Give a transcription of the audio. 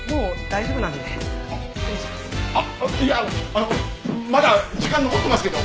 あっいやあのまだ時間残ってますけど。